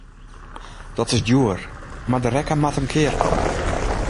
Dat is djoer, mar de rekken moat in kear komme.